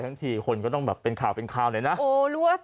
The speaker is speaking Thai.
ขั้นทีคนนก็ต้องแบบเป็นข่าวเป็นข้าวเลยน่ะโอ้รู้ว่าถ้า